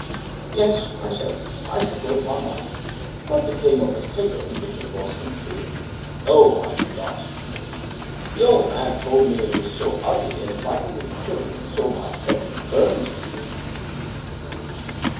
'Yes,' I said, 'I suppose one might. What became of the figure in which it was concealed?' 'Oh, I forgot,' said he. 'The old man told me it was so ugly and frightened his children so much that he burnt it.'